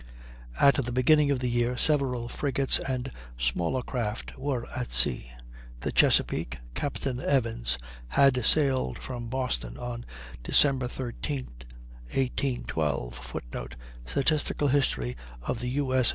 At the beginning of the year several frigates and smaller craft were at sea. The Chesapeake, Captain Evans, had sailed from Boston on Dec. 13, 1812. [Footnote: Statistical "History of the U. S.